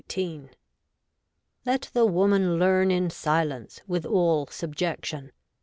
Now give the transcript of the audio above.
Let the woman learn in silence, with all subjection.